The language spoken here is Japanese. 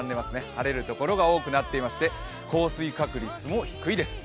晴れるところが多くなっていまして、降水確率も低いです。